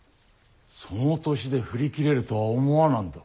その年で振り切れるとは思わなんだ。